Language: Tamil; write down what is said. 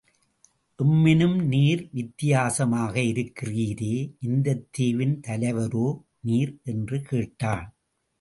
எம்மினும் நீர் வித்தியாசமாக இருக்கிறீரே இந்தத் தீவின் தலைவரோ நீர்? என்று கேட்டான்.